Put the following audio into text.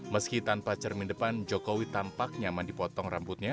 meski tanpa cermin depan jokowi tampak nyaman dipotong rambutnya